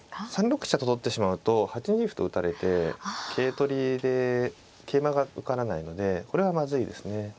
３六飛車と取ってしまうと８二歩と打たれて桂取りで桂馬が受からないのでこれはまずいですね。